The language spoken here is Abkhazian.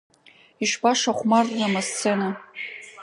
Ишбашахәмаррам асцена…